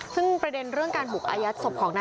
จะเป็นคนหลบคนกำ